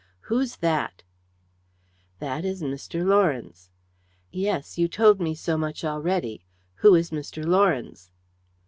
"Who's that?" "That is Mr. Lawrence." "Yes, you told me so much already; who is Mr. Lawrence?"